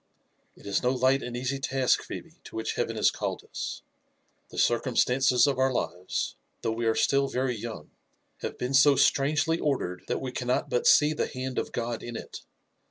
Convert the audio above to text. It is no light and easy task, Phebe, to which Heayen has called us. The circumstances of our lives, though we are still veryyoung, have been so strangely ordered that we cannot butsee thehandof Godin it.